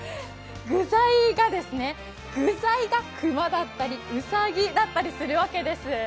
具材が熊だったりうさぎだったりするわけなんです。